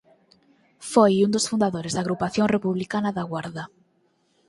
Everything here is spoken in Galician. Foi un dos fundadores da Agrupación Republicana da Guarda.